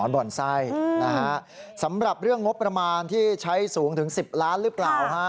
บ่อนไส้นะฮะสำหรับเรื่องงบประมาณที่ใช้สูงถึง๑๐ล้านหรือเปล่าฮะ